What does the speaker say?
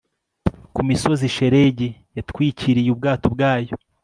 ku misozi shelegi yatwikiriye ubwato bwayo